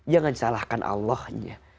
jangan salahkan allahnya